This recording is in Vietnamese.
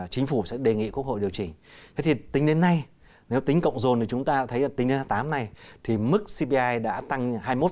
chúng ta thấy tính đến năm hai nghìn một mươi tám này thì mức cpi đã tăng hai mươi một ba